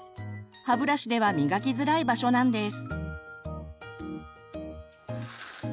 歯ブラシでは磨きづらい場所なんです。